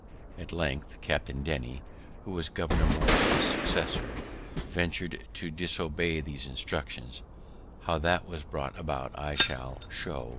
At length Captain Denny, who was Governor Morris's successor, ventured to disobey those instructions; how that was brought about I shall show hereafter.